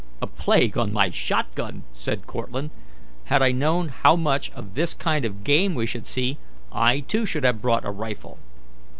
"A plague on my shot gun!" said Cortlandt. "Had I known how much of this kind of game we should see, I too should have brought a rifle."